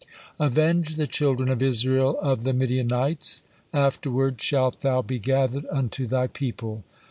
'Avenge the children of Israel of the Midianites: afterward shalt thou be gathered unto thy people.'"